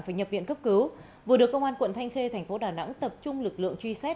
phải nhập viện cấp cứu vừa được công an quận thanh khê thành phố đà nẵng tập trung lực lượng truy xét